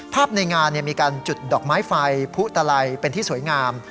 ในงานมีการจุดดอกไม้ไฟผู้ตะไลเป็นที่สวยงาม